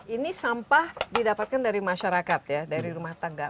ini sampah didapatkan dari masyarakat ya dari rumah tangga